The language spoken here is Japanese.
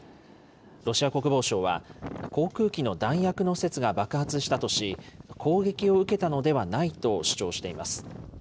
ロシア国防省は、航空機の弾薬の施設が爆発したとし、攻撃を受けたのではないと主張しています。